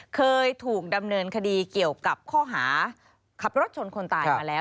เคยถูกดำเนินคดีเกี่ยวกับข้อหาขับรถชนคนตายมาแล้ว